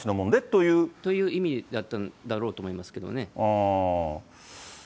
という意味だったんだろうと思いますけどね。